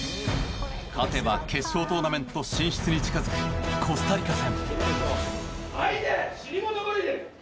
勝てば決勝トーナメント進出に近づく、コスタリカ戦。